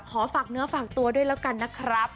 ขอฝากเนื้อฝากตัวด้วยแล้วกันนะครับ